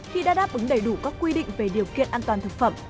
khi đã đáp ứng đầy đủ các quy định về điều kiện an toàn thực phẩm